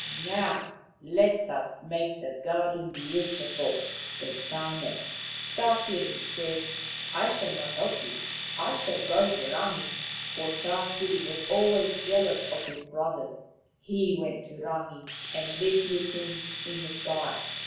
" Now let us make the garden beautiful/ ' said Tane. Tawhiri said, " I shall not help you. I shall go to Rangi." For Tawhiri was always jealous of his brothers. He went to Rangi, and lived with him in the sky.